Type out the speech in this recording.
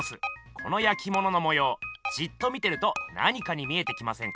このやきもののもようじっと見てると何かに見えてきませんか？